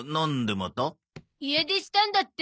家出したんだって！